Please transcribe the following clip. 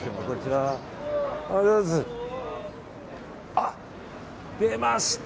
あ、出ました。